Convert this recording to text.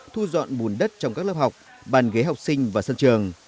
thu dọn bùn đất trong các lớp học bàn ghế học sinh và sân trường